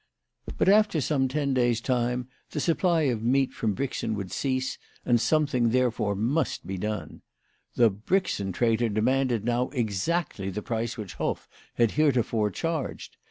But after some ten days' time the supply of meat from Brixen would cease, and something therefore must be done. The Brixen traitor demanded now exactly the price which Hoff had heretofore charged.